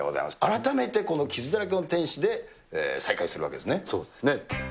改めて傷だらけの天使で再会するそうですね。